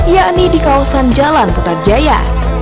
yakni di kawasan jalan putar jaya